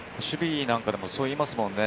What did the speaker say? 守備なんかでもそう言いますよね。